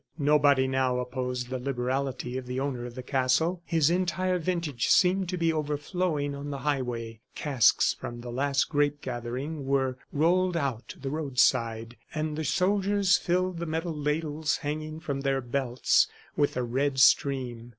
Nobody now opposed the liberality of the owner of the castle. His entire vintage seemed to be overflowing on the highway. Casks from the last grape gathering were rolled out to the roadside, and the soldiers filled the metal ladles hanging from their belts with the red stream.